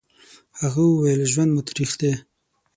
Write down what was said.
هغه وويل: ژوند مو تريخ دی.